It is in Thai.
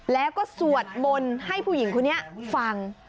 แล้วก็สวดมนต์ให้ผู้หญิงคนนี้ฟัง